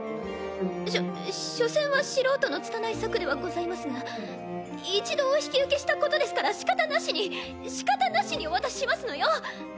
しょ所詮は素人のつたない作ではございますが一度お引き受けしたことですからしかたなしにしかたなしにお渡ししますのよ！